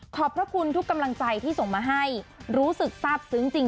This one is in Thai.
ขอบพระคุณทุกกำลังใจที่ส่งมาให้รู้สึกทราบซึ้งจริง